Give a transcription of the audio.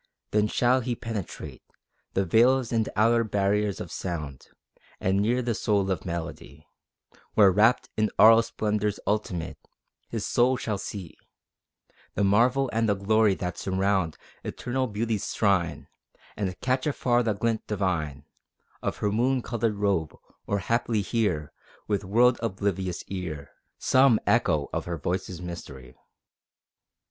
Then shall he penetrate The veils and outer barriers of sound, And near the soul of melody, Where, rapt in aural splendors ultimate, His soul shall see The marvel and the glory that surround Eternal Beauty's shrine; And catch afar the glint divine Of her moon colored robe, or haply hear, With world oblivious ear, Some echo of her voice's mystery.